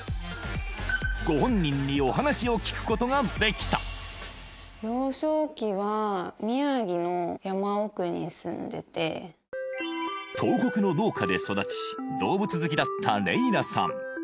ご本人にお話を聞くことができた東北の農家で育ち動物好きだったレイラさん